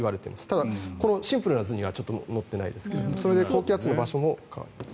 ただ、シンプルな図には載っていないですがそれで高気圧の場所も変わります。